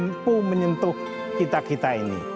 mampu menyentuh kita kita ini